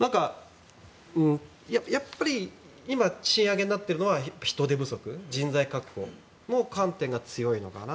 やっぱり今賃上げになってるのは人手不足人材確保の観点が強いのかな。